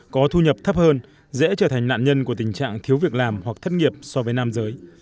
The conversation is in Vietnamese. có thu nhập thấp hơn dễ trở thành nạn nhân của tình trạng thiếu việc làm hoặc thất nghiệp so với nam giới